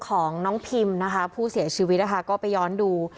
ของน้องพิมนะคะผู้เสียชีวิตนะคะก็ไปย้อนดู